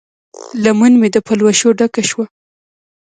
لمن مې د پلوشو ډکه شوه